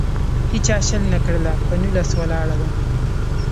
هیچا شل نه کړله. په نولس ولاړه ده.